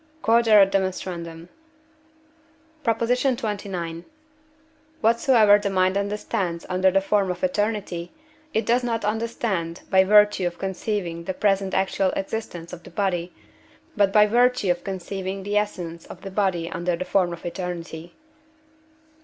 Q.E.D. PROP. XXIX. Whatsoever the mind understands under the form of eternity, it does not understand by virtue of conceiving the present actual existence of the body, but by virtue of conceiving the essence of the body under the form of eternity.